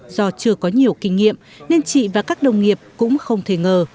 do chưa có nhiều kinh nghiệm nên chị và các đồng nghiệp cũng không thể ngờ